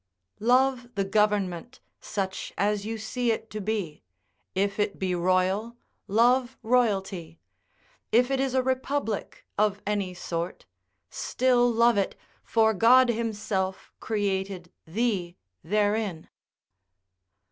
["Love the government, such as you see it to be. If it be royal, love royalty; if it is a republic of any sort, still love it; for God himself created thee therein."